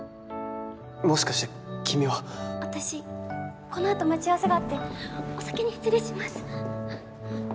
もしかして君は私このあと待ち合わせがあってお先に失礼します